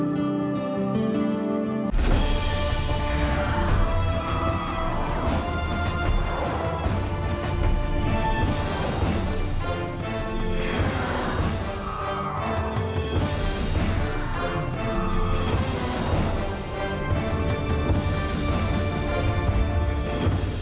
มันก็มองดูว่าคุณใช้กฎหมายเพื่อแก้งเขาหรือเปล่า